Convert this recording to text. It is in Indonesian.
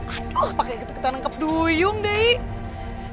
aduh pake ketuk ketuk nangkep duyung deh